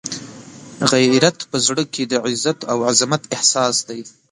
غیرت په زړه کې د عزت او عزمت احساس دی.